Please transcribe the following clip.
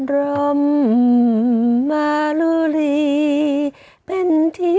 รมมาลูลีเป็นที่